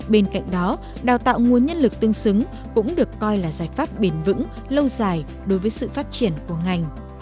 bên cạnh đó đào tạo nguồn nhân lực tương xứng cũng được coi là giải pháp bền vững lâu dài đối với sự phát triển của ngành